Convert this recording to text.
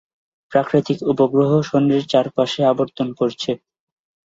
প্রাকৃতিক উপগ্রহ শনির চারপাশে আবর্তন করছে।